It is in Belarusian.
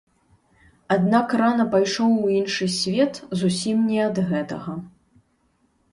Аднак рана пайшоў у іншы свет зусім не ад гэтага.